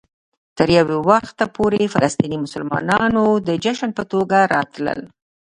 تر یو وخته پورې فلسطيني مسلمانانو د جشن په توګه راتلل.